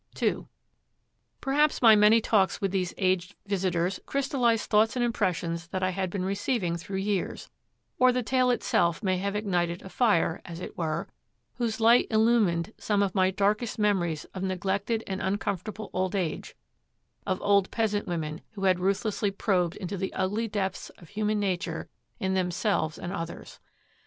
II Perhaps my many talks with these aged visitors crystallized thoughts and impressions that I had been receiving through years; or the tale itself may have ignited a fire, as it were, whose light illumined some of my darkest memories of neglected and uncomfortable old age, of old peasant women who had ruthlessly probed into the ugly depths of human nature in themselves and others.